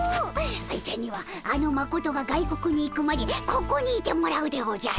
愛ちゃんにはあのマコトが外国に行くまでここにいてもらうでおじゃる。